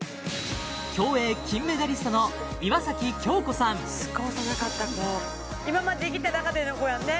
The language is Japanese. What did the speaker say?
競泳金メダリストの岩崎恭子さん「今まで生きた中で」の子やんね